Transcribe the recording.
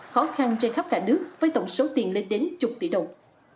khó khăn trên khắp cả nước với tổng số tiền lên đến chục tỷ đồng